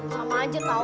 sama aja tau